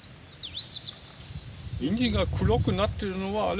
ニンジンが黒くなってるのはあれは。